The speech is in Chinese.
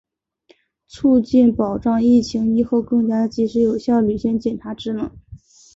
促进、保障疫期、疫后更加及时有效履行检察职能